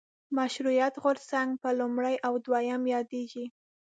مشروطیت غورځنګ په لومړي او دویم یادېږي.